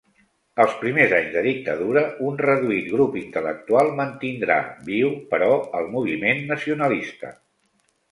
Els primers anys de dictadura, un reduït grup intel·lectual mantindrà viu, però, el moviment nacionalista.